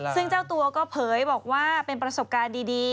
ซึ่งเจ้าตัวก็เผยบอกว่าเป็นประสบการณ์ดี